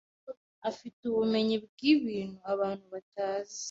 afite ubumenyi bwibintu abantu batazi.